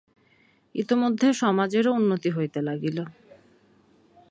ইতোমধ্যে সমাজেরও উন্নতি হইতে লাগিল।